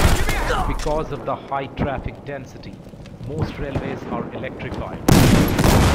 Because of the high traffic density, most railways are electrified.